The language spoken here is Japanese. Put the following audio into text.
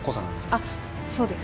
あっそうです